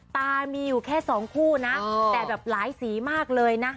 ตามีอยู่แค่สองคู่นะแต่แบบหลายสีมากเลยนะ